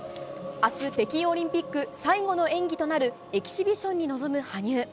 明日、北京オリンピック最後の演技となるエキシビションに臨む羽生。